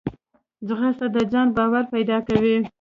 ځغاسته د ځان باور پیدا کوي